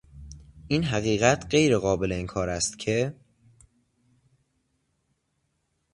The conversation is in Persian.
این حقیقت غیرقابل انکار است که...